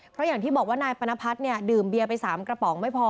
เพราะอย่างที่บอกว่านายปนพัฒน์เนี่ยดื่มเบียร์ไป๓กระป๋องไม่พอ